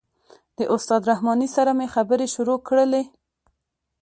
د استاد رحماني سره مې خبرې شروع کړلې.